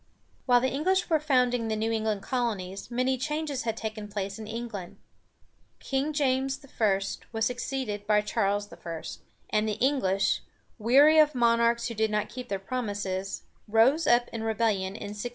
While the English were founding the New England colonies, many changes had taken place in England. King James I. was succeeded by Charles I., and the English, weary of monarchs who did not keep their promises, rose up in rebellion in 1643.